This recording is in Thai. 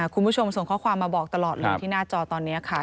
คุณผู้ชมส่งข้อความมาบอกตลอดเลยที่หน้าจอตอนนี้ค่ะ